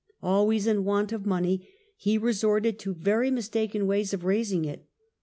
Always in want of money, he resorted to very mistaken ways of raising it.